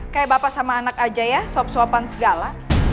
kayak bapak sama anak aja ya suap suapan segala